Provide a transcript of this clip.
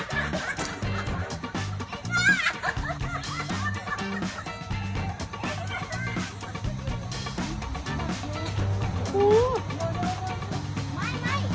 ที่ที่ของอันนั้น